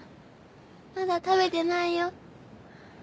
まだ食べてないよ。